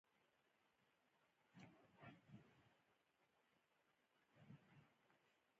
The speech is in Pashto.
د احمد او علي سره شخړه وه، کلیوالو ورته نوکونو جنګول.